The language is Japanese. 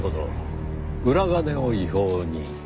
裏金を違法に。